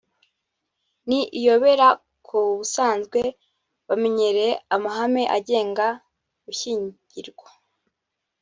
ni iyobera ku basanzwe bamenyereye amahame agenga gushyingirwa